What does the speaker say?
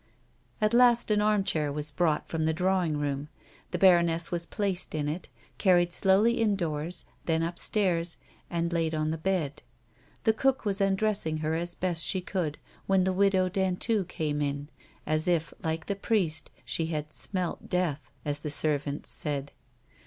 At last an armchair was brought from the drawing room ; the baroness was placed in it, carried slowly indoors, then upstairs, and laid on the bed. The cook was undressing her as best she could when the Widow Dentu came in, as if, like the priest, she had, "smelt death," as the servants said.